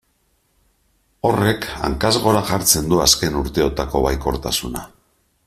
Horrek hankaz gora jartzen du azken urteotako baikortasuna.